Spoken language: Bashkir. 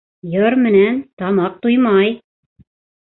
Йыр менән тамаҡ туймай!